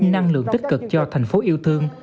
năng lượng tích cực cho thành phố yêu thương